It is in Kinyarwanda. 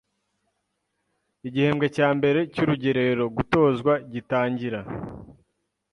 Igihembwe cya mbere cy’urugerero (gutozwa) gitangira